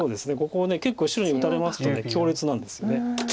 ここを結構白に打たれますと強烈なんですよね。